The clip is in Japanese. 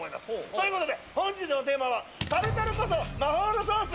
ということで本日のテーマはタルタルこそ魔法のソース